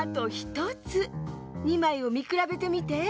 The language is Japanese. ２まいをみくらべてみて。